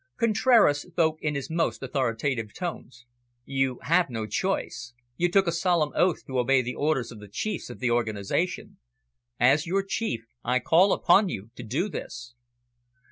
Contraras spoke in his most authoritative tones. "You have no choice. You took a solemn oath to obey the orders of the Chiefs of the organisation. As your Chief, I call upon you to do this."